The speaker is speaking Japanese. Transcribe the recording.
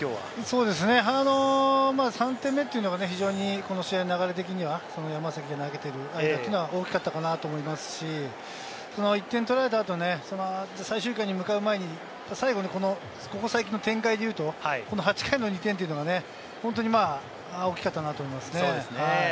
そうですね、３点目というのがこの試合の流れ的には山崎が投げている分には大きかったかなと思いますし、１点取られた後、最終回に向かう前に最後にここ最近の展開でいうと、この８回の２点というのは本当に大きかったなと思いますね。